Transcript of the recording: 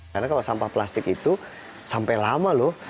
karena kalau sampah plastik itu sampai lama loh